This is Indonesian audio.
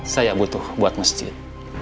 saya butuh buat masjid